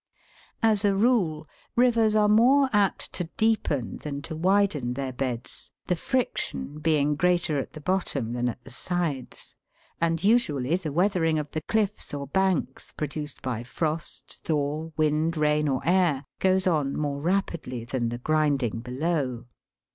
As a rule, rivers are more apt to deepen than to widen their beds, the friction being greater at the bottom than at the sides ; and usually the " weathering" of the cliffs or banks, produced by frost, thaw, wind, rain, or air, goes on more rapidly than the grinding below.